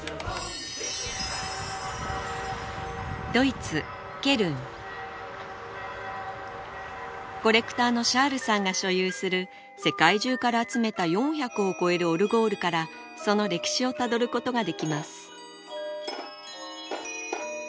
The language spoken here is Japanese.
ドイツケルンコレクターのシャールさんが所有する世界中から集めた４００を超えるオルゴールからその歴史をたどることができます